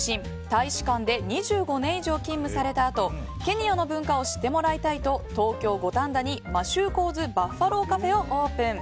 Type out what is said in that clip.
大使館で２５年以上勤務されたあとケニアの文化を知ってもらいたいと東京・五反田にマシューコウズ・バッファローカフェをオープン。